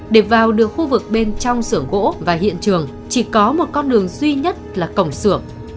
để vào được khu vực bên trong xưởng gỗ và hiện trường chỉ có một con đường duy nhất là cổng xưởng